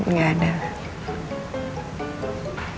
nggak ada lah